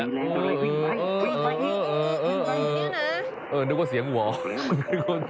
เออนึกว่าเสียงหัวมีรถถูกเชิง